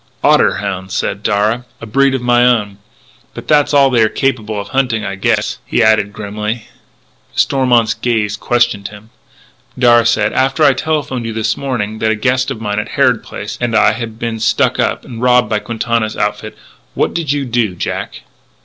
"Otter hounds," said Darragh, " a breed of my own.... But that's all they are capable of hunting, I guess," he added grimly. Stormont's gaze questioned him. Darragh said: "After I telephoned you this morning that a guest of mine at Harrod Place, and I, had been stuck up and robbed by Quintana's outfit, what did you do, Jack?"